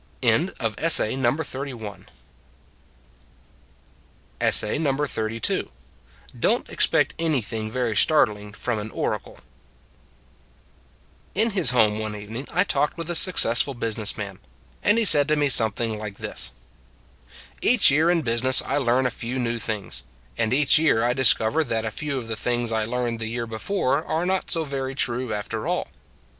DON T EXPECT ANYTHING VERY STARTLING FROM AN ORACLE IN his home one evening I talked with a successful business man; and he said to me something like this :" Each year in business I learn a few new things; and each year I discover that a few of the things I learned the year be fore are not so very true, after all.